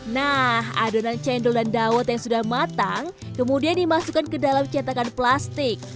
nah adonan cendol dan dawet yang sudah matang kemudian dimasukkan ke dalam cetakan plastik